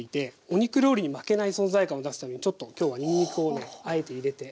お肉料理に負けない存在感を出すためにちょっと今日はにんにくをねあえて入れて。